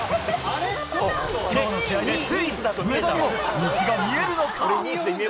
きょうの試合でついに上田にも虹が見えるのか。